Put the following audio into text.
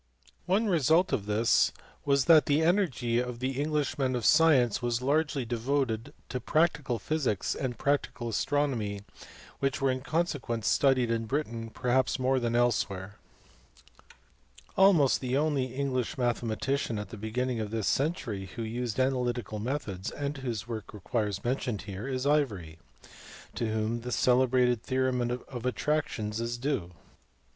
One result of this was that the energy of English men of science was largely devoted to practical physics and practical astronomy, which were in consequence studied in Britain perhaps more than elsewhere. Ivory. Almost the only English mathematician at the beginning of this century who used analytical methods and whose work requires mention here is Ivory, to whom the celebrated theorem in attractions is due.